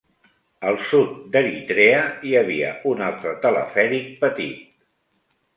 Al sud d'Eritrea hi havia un altre telefèric petit.